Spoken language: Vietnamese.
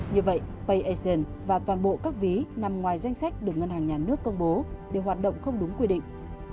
như vậy payasian và toàn bộ các ví nằm ngoài danh sách được ngân hàng nhà nước công bố đều hoạt động không đúng quy định